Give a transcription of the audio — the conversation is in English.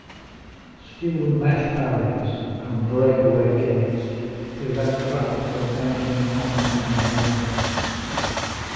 Steel mesh barriers and breakaway gates prevent traffic from entering oncoming lanes.